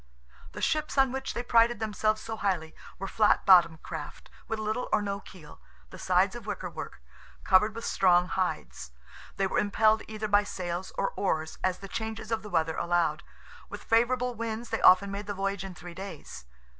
The ships on which they prided themselves so highly were flat bottomed craft, with little or no keel, the sides of wicker work, covered with strong hides. They were impelled either by sails or oars as the changes of the weather allowed; with favourable winds they often made the voyage in three days.